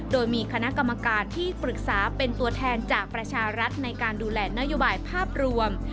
โดยมีคณะกรรมการที่ปรึกษาเป็นตัวแทนจากประชารัฐในการดูแลนโยบายภาพรวม